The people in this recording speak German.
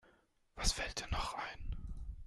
Was fällt dir noch ein?